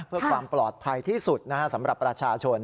เพื่อความปลอดภัยที่สุดสำหรับประชาชน